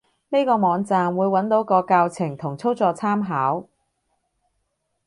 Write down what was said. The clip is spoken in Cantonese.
呢個網站，會揾到個教程同操作參考